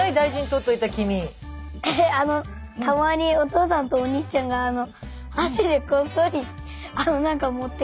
たまにお父さんとお兄ちゃんが箸でこっそりなんか持ってく。